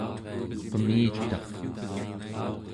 qemitaq